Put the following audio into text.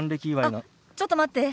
あっちょっと待って。